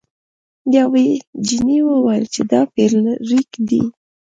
یوې جینۍ وویل چې دا فلیریک دی.